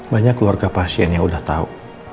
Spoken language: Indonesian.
banyak keluarga pasien yang udah tau